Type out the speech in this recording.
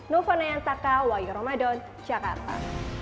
novo nayan taka wayo ramadan jakarta